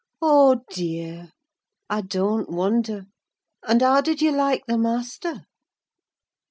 "Oh dear, I don't wonder! And how did you like the master?"